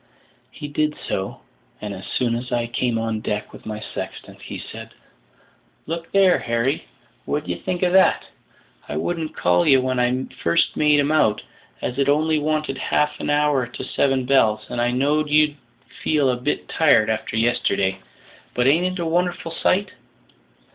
He did so, and as soon as I came on deck with my sextant, he said, "Look there, Harry, what d'ye think of that? I wouldn't call ye when I first made 'em out, as it only wanted half an hour to seven bells, and I knowed you'd feel a bit tired after yesterday. But ain't it a wonderful sight?"